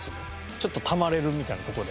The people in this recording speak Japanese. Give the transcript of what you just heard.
ちょっとたまれるみたいな所で。